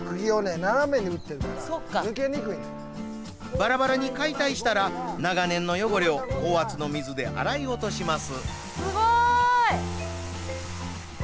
ばらばらに解体したら長年の汚れを高圧の水で洗い落とします。